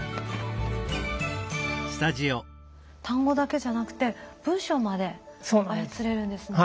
単語だけじゃなくて文章まで操れるんですね。